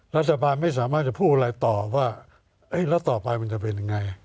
รัฐบาลไม่สามารถจะพูดอะไรต่อว่าแล้วต่อไปมันจะเป็นยังไง